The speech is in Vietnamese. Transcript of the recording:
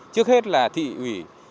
trước hết là thị ủy